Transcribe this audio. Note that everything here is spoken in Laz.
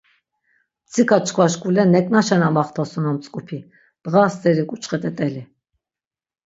Mtsik̆a çkvaş k̆ule nek̆naşen amaxtasunon mtzk̆upi, dğa steri k̆uçxe t̆et̆eli.